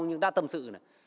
nhưng đã tâm sự